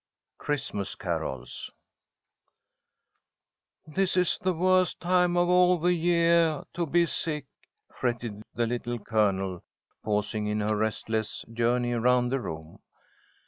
CHRISTMAS CAROLS "THIS is the worst time of all the yeah to be sick," fretted the Little Colonel, pausing in her restless journey around the room.